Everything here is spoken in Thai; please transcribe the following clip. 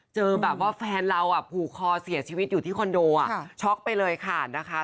เจอแบบว่าแฟนเราผูกคอเสียชีวิตอยู่ที่คอนโดอ่ะช็อกไปเลยค่ะนะคะ